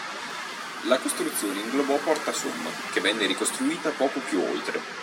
La costruzione inglobò porta Somma, che venne ricostruita poco più oltre.